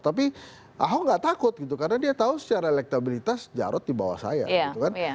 tapi ahok nggak takut gitu karena dia tahu secara elektabilitas jarod di bawah saya gitu kan